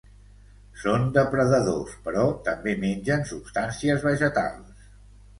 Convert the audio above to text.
Són depredadors, però també mengen substàncies vegetals.